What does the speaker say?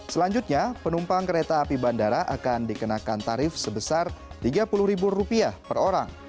selanjutnya penumpang kereta api bandara akan dikenakan tarif sebesar rp tiga puluh ribu rupiah per orang